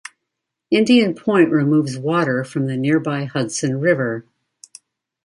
Indian Point removes water from the nearby Hudson River.